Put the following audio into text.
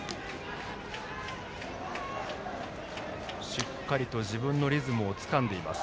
しっかりと自分のリズムをつかんでいます